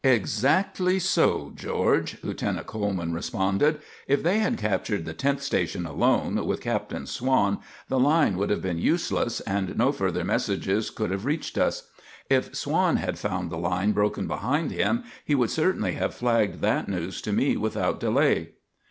"Exactly so, George," Lieutenant Coleman responded. "If they had captured the tenth station alone, with Captain Swann, the line would have been useless and no further messages could have reached us. If Swann had found the line broken behind him, he would certainly have flagged that news to me without delay."